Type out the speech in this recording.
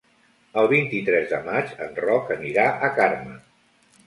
El vint-i-tres de maig en Roc anirà a Carme.